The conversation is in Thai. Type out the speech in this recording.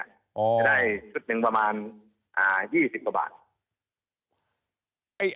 จะได้ชุดหนึ่งประมาณ๒๐กว่าบาท